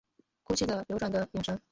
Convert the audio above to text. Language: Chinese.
哭泣的流转的眼神